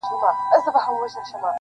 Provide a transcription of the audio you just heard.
راته مه راکوه زېری د ګلونو د ګېډیو-